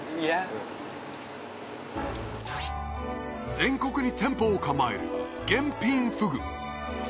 全国に店舗を構える玄品ふぐ。